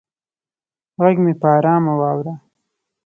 غږ مې په ارامه واوره